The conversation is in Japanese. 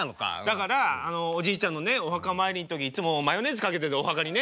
だからおじいちゃんのねお墓参りの時いつもマヨネーズかけててお墓にね。